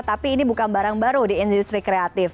tapi ini bukan barang baru di industri kreatif